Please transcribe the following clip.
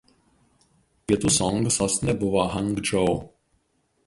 Pietų Song sostinė buvo Hangdžou.